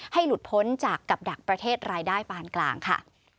หลุดพ้นจากกับดักประเทศรายได้ปานกลางค่ะ